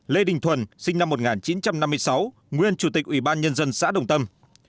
lê đình thuần sinh năm một nghìn chín trăm năm mươi sáu nguyên chủ tịch ủy ban nhân dân xã đồng tâm